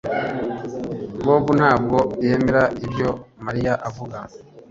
Bobo ntabwo yemera ibyo Mariya avuga